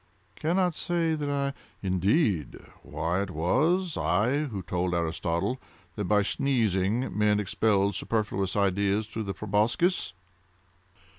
"Cannot say that I—" "Indeed!—why it was I who told Aristotle that by sneezing, men expelled superfluous ideas through the proboscis."